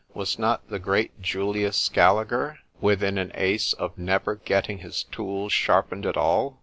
—Was not the great Julius Scaliger within an ace of never getting his tools sharpened at all?